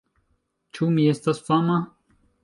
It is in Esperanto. Ĉu mi estas fama?